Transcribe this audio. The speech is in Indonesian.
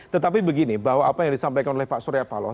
tetapi begini bahwa apa yang disampaikan oleh pak surya paloh